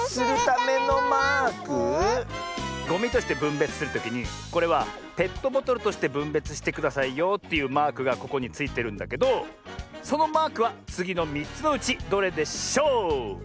ゴミとしてぶんべつするときにこれはペットボトルとしてぶんべつしてくださいよっていうマークがここについてるんだけどそのマークはつぎの３つのうちどれでしょう？